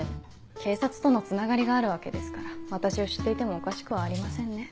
警察とのつながりがあるわけですから私を知っていてもおかしくはありませんね。